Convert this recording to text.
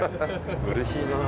うれしいなあ。